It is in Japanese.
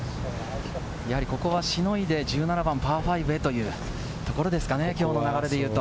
やはりここは凌いで１７番パー５へというところですかね、きょうの流れでいくと。